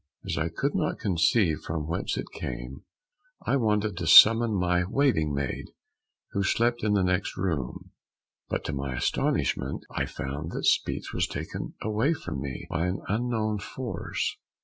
As I could not conceive from whence it came, I wanted to summon my waiting maid who slept in the next room, but to my astonishment I found that speech was taken away from me by an unknown force.